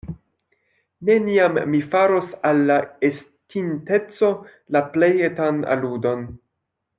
Neniam mi faros al la estinteco la plej etan aludon.